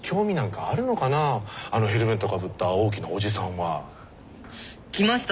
あのヘルメットかぶった大きなおじさんは。来ました